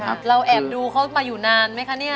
เราแอบดูเขามาอยู่นานไหมคะเนี่ย